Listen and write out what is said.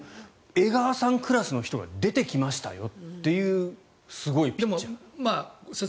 江川さんクラスの人が出てきましたよっていうすごいピッチャー。